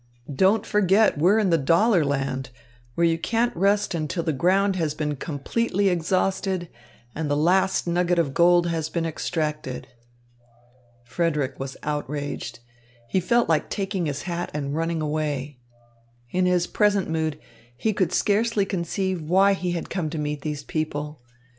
Don't forget we're in the dollar land, where you can't rest until the ground has been completely exhausted and the last nugget of gold has been extracted." Frederick was outraged. He felt like taking his hat and running away. In his present mood, he could scarcely conceive why he had come to meet these people.